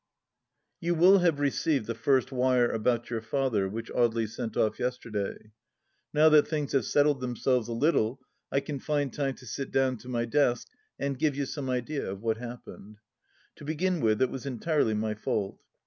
You will have received the first wire about your father which Audely sent off yesterday. Now that things have settled themselves a little, I can fmd time to sit down to my desk and give you some idea of what happened. To begin with, it was entirely my fault.